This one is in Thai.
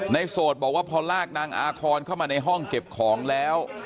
โสดบอกว่าพอลากนางอาคอนเข้ามาในห้องเก็บของแล้ว